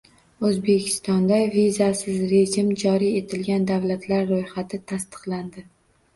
O'zbekistonda vizasiz rejim joriy etilgan davlatlar ro'yxati tasdiqlandi